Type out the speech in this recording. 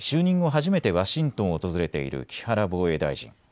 初めてワシントンを訪れている木原防衛大臣。